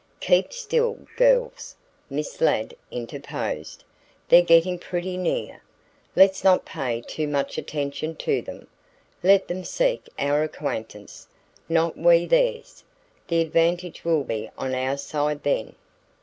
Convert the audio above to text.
"Keep still, girls," Miss Ladd interposed. "They're getting pretty near. Let's not pay too much attention to them. Let them seek our acquaintance, not we theirs. The advantage will be on our side then."